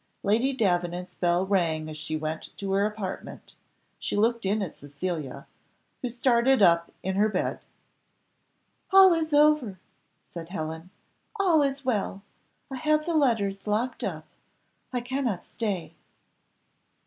Lady Davenant's bell rang as she went to her apartment; she looked in at Cecilia, who started up in her bed. "All is over," said Helen, "all is well. I have the letters locked up; I cannot stay."